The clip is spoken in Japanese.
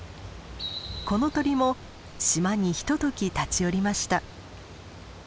この鳥も島にひととき立ち寄りました。